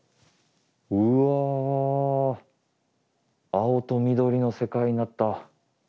青と緑の世界になった。